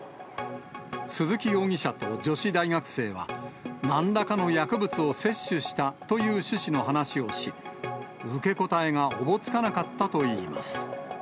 鈴木容疑者と女子大学生は、なんらかの薬物を摂取したという趣旨の話をし、受け答えがおぼつかなかったといいます。